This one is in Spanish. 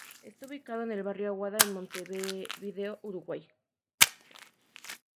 Está ubicada en el Barrio Aguada en Montevideo, Uruguay.